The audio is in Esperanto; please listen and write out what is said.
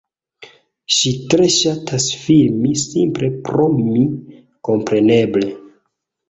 Ŝi tre ŝatas filmi simple pro mi, kompreneble